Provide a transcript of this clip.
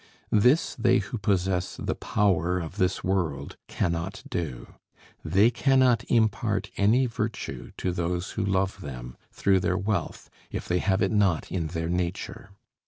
This they who possess the power of this world cannot do. They cannot impart any virtue to those who love them, through their wealth, if they have it not in their nature.